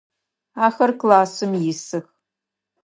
Ахэр классым исых.